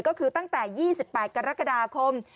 ก็คือตั้งแต่๒๘กรกฎาคม